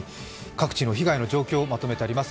各地の被害の様子をまとめてあります。